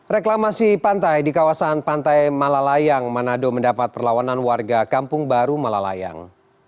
reklamasi pantai di kawasan pantai malalayang manado mendapat perlawanan warga kampung baru malalayang